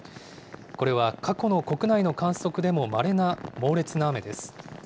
これは、過去の国内の観測でもまれな猛烈な雨です。